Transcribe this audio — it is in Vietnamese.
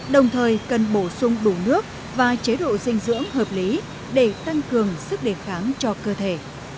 đồng thời cần bổ sung đủ nước và chế độ dinh dưỡng hợp lý để tăng cường sức đề kháng cho cơ thể